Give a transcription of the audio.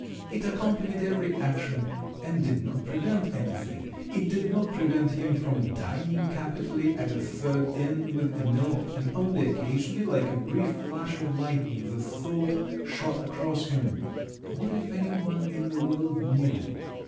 It accompanied every action, and did not prevent anything. It did not prevent him from dining capitally at a third inn with Emil; and only occasionally, like a brief flash of lightning, the thought shot across him, What if any one in the world knew?